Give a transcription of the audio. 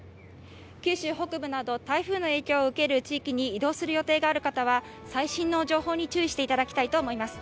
九州北部など台風の影響を受ける地域に移動する予定がある方は最新の情報に注意していただきたいと思います。